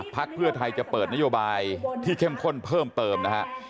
พักเพื่อไทยจะเปิดนโยบายที่เข้มข้นเพิ่มเติมนะฮะ